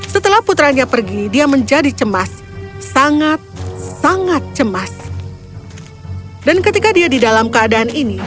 optimistic yang menjadi cemas sangat sangat cemas dan ketika dia di dalam keadaan ini